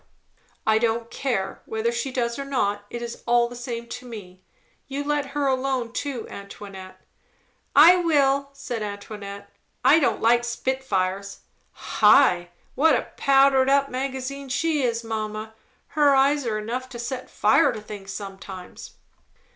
"I don't care, whether she does or not. It is all the same to me. You let her alone too, Antoinette." "I will," said Antoinette. "I don't like spitfires. High! what a powder magazine she is, mamma! Her eyes are enough to set fire to things sometimes."